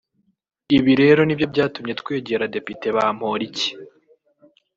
Ibi rero nibyo byatumye twegera Depite Bamporiki